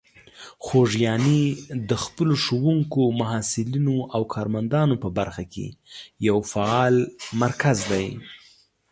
خوږیاڼي د خپلو ښوونکو، محصلینو او کارمندان په برخه کې یو فعال مرکز دی.